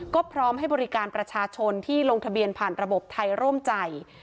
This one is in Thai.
ก็พร้อมให้บริการประชาชนที่ลงทะเบียนผ่านระบบไทยร่วมใจ